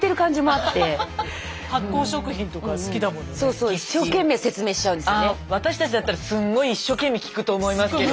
あ私たちだったらすんごい一生懸命聞くと思いますけどね。